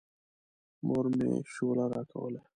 مور مې شوله راکوله.